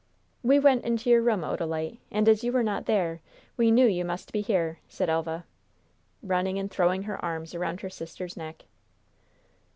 "We went into your room, Odalite, and as you were not there, we knew you must be here," said Elva, running and throwing her arms around her sister's neck.